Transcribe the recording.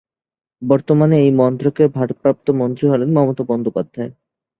বর্তমানে এই মন্ত্রকের ভারপ্রাপ্ত মন্ত্রী হলেন মমতা বন্দ্যোপাধ্যায়।